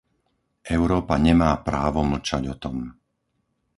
Európa nemá právo mlčať o tom.